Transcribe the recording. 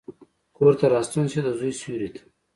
کورته راستون شي، دزوی سیورې ته،